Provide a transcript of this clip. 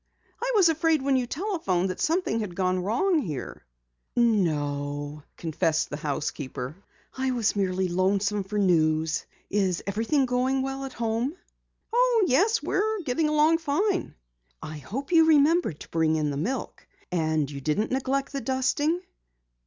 "I was afraid when you telephoned that something had gone wrong here." "No," confessed the housekeeper, "I was merely lonesome for news. Is everything going well at home?" "Oh, yes, we're getting along fine." "I hope you remembered to bring in the milk. And you didn't neglect the dusting?"